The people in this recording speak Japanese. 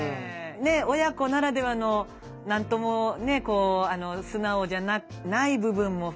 ね親子ならではの何ともね素直じゃない部分も含めてね